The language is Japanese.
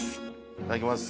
いただきます。